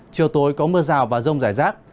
chiều tối có mưa rào và rông rải rác